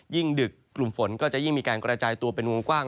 ดึกกลุ่มฝนก็จะยิ่งมีการกระจายตัวเป็นวงกว้าง